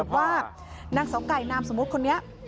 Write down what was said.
เราเสพเยอะไหมเนี่ย